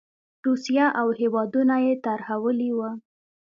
روسیه او هېوادونه یې ترهولي وو.